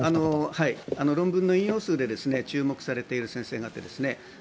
論文の引用数で注目されている先生方ですね。